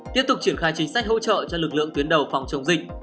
tiếp tục triển khai chính sách hỗ trợ cho lực lượng tuyến đầu phòng chống dịch